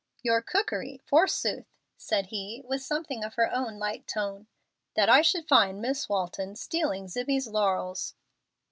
"Your 'cookery,' forsooth!" said he, with something of her own light tone. "That I should find Miss Walton stealing Zibbie's laurels!"